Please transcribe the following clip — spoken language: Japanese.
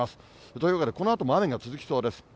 というわけで、このあとも雨が続きそうです。